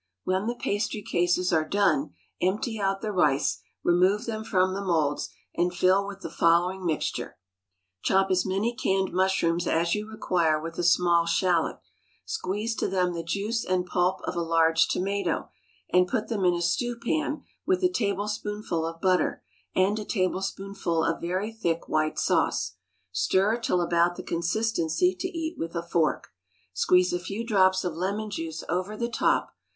When the pastry cases are done, empty out the rice, remove them from the moulds, and fill with the following mixture: chop as many canned mushrooms as you require with a small shallot, squeeze to them the juice and pulp of a large tomato, and put them in a stewpan with a tablespoonful of butter and a tablespoonful of very thick white sauce. Stir till about the consistency to eat with a fork. Squeeze a few drops of lemon juice over the top.